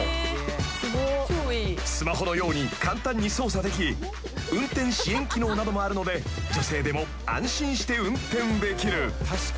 ［スマホのように簡単に操作でき運転支援機能などもあるので女性でも安心して運転できる］